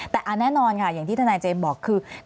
แต่แน่นอนค่ะอย่างที่ทนายเจมส์บอกคือ